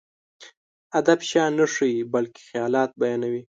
ادب شيان نه ښيي، بلکې خيالات بيانوي.